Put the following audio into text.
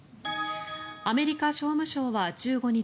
アメリカ商務省は１５日